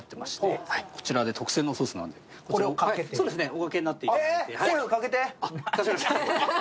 おかけになっていただいて。